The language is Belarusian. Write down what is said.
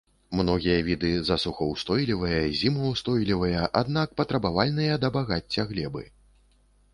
Многія віды засухаўстойлівыя, зімаўстойлівыя, аднак патрабавальныя да багацця глебы.